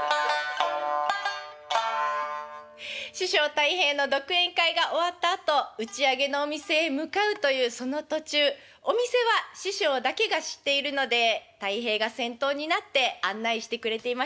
師匠たい平の独演会が終わったあと打ち上げのお店へ向かうというその途中お店は師匠だけが知っているのでたい平が先頭になって案内してくれていました。